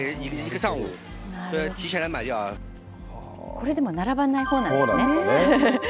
これでも並ばないほうなんですね。